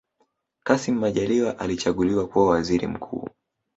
kassim majaliwa alichaguliwa kuwa waziri mkuu